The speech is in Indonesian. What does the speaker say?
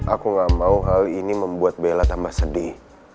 aku gak mau hal ini membuat bella tambah sedih